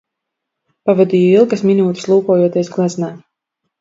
Pavadīju ilgas minūtes, lūkojoties gleznā.